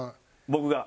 僕が。